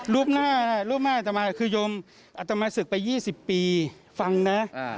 รูปหน้าอัตมามาอัตมาศึกไป๒๐ปีฟังนะ